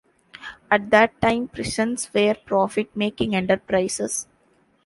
At that time, prisons were profit-making enterprises.